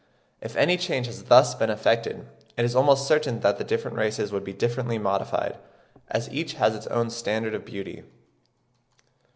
If any change has thus been effected, it is almost certain that the different races would be differently modified, as each has its own standard of beauty.